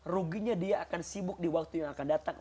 ruginya dia akan sibuk di waktu yang akan datang